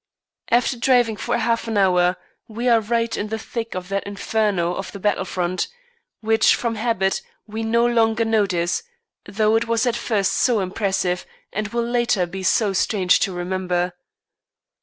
After driving for half an hour we are right in the thick of that inferno of the battle front, which, from habit, we no longer notice, though it was at first so impressive and will later on be so strange to remember.